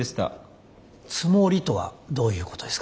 つもりとはどういうことですか？